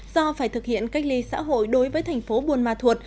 do phải thực hiện cách ly xã hội đối với thành phố buôn ma thuột